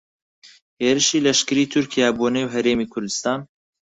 هێرشی لەشکریی تورکیا بۆ نێو هەرێمی کوردستان